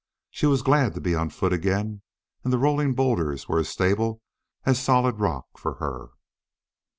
She was glad to be on foot again and the rolling boulders were as stable as solid rock for her.